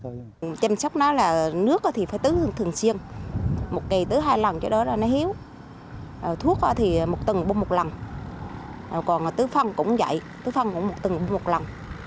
tứ phân cũng một tầng bùng một lòng